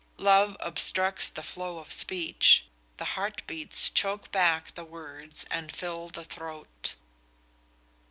Love obstructs the flow of speech; the heart beats choke back the words and fill the throat.